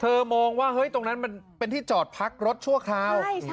เธอมองตรงนั้นมันเป็นที่จอดปลั๊กรถชั่วคราว